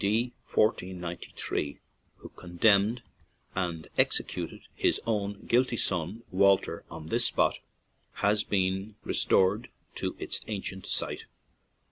D. 1493, who condemned and executed his own guilty son, Walter, on this spot, has been restored to its ancient site."